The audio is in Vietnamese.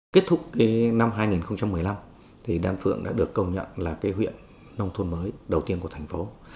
kết thúc năm hai nghìn một mươi năm đan phượng đã được công nhận là cái huyện nông thôn mới đầu tiên của thành phố